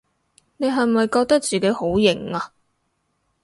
你係咪覺得自己好型吖？